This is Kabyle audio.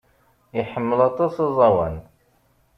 Iḥemmel aṭas aẓawan.